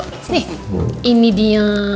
nih ini dia